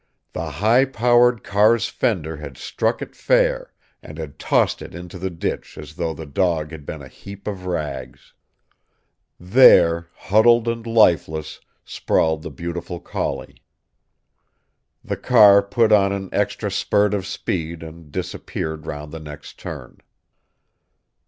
The high powered car's fender had struck it fair, and had tossed it into the ditch as though the dog had been a heap of rags. There huddled and lifeless sprawled the beautiful collie. The car put on an extra spurt of speed and disappeared round the next turn.